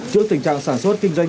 trước tình trạng sản xuất kinh doanh